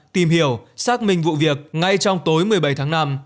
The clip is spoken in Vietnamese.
tìm hiểu xác minh vụ việc ngay trong tối một mươi bảy tháng năm